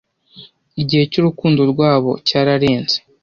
igihe cy'urukundo rwabo cyararenze